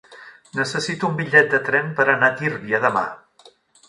Necessito un bitllet de tren per anar a Tírvia demà.